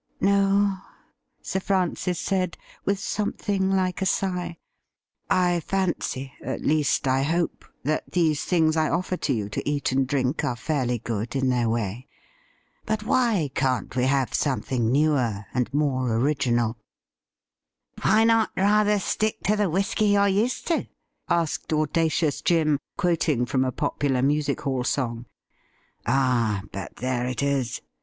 ' No ?' Sir Francis said, with something like a sigh. ' I fancy, at least I hope, that these things I offer to you to eat and drink are fairly good in their way. But why can't we have something newer and more original ?'' THAT LADY IS NOT NOW LIVING ' 153 ' Why not rather stick to the whisky you're used to ?' asked audacious Jim, quoting from a popular music hall song. ' Ah ! but there it is.